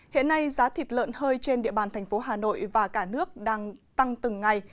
hiện nay giá thịt lợn hơi trên địa bàn thành phố hà nội và cả nước đang tăng từng ngày